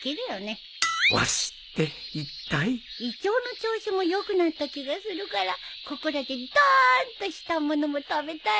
わしっていったい胃腸の調子も良くなった気がするからここらでドーンとしたものも食べたいね。